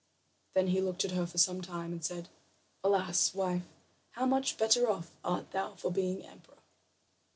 Then he looked at her for some time, and said: "Alas, wife, how much better off art thou for being emperor?"